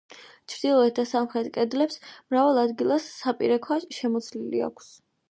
ჩრდილოეთ და სამხრეთ კედლებს მრავალ ადგილას საპირე ქვა შემოცლილი აქვს.